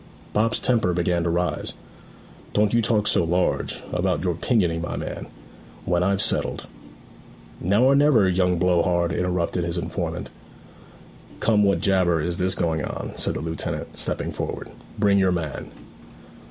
Bob's temper began to rise. 'Don't you talk so large, about your pinioning, my man. When I've settled ' 'Now or never, young blow hard,' interrupted his informant. 'Come, what jabber is this going on?' said the lieutenant, stepping forward. 'Bring your man.'